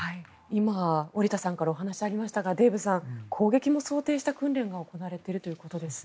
今、織田さんからお話がありましたがデーブさん攻撃も想定した訓練が行われているということです。